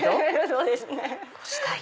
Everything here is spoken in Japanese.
そうですね。